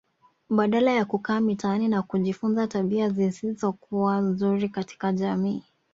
Badala ya kukaa mitaani na kujifunza tabia zisizokuwa nzuri katika jamii